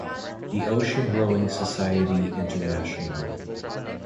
The Ocean Rowing Society Int.